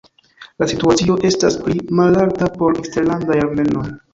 La situacio estas pli malalta por eksterlandaj armenoj.